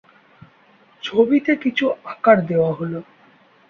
ছবিতে কিছু আকার দেওয়া হল।